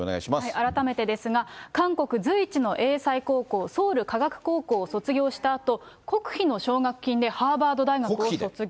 改めてですが、韓国随一の英才高校、ソウル科学高校を卒業したあと、国費の奨学金でハーバー大学を卒業。